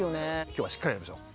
今日はしっかりやりましょう。